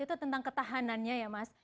itu tentang ketahanannya ya mas